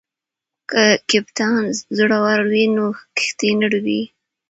که کپتان زړور وي نو کښتۍ نه ډوبیږي.